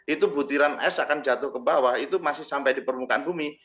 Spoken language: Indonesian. itu butiran es akan jatuh ke bawah itu masih sampai di permukaan bumi